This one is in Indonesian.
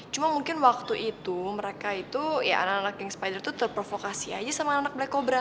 cuma mungkin waktu itu mereka itu ya anak anak king spider itu terprovokasi aja sama anak black cobra